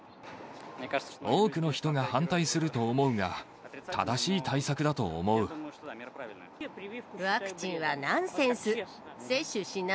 多くの人が反対すると思うが、ワクチンはナンセンス。